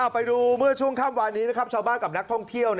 ไปดูเมื่อช่วงค่ำวานนี้นะครับชาวบ้านกับนักท่องเที่ยว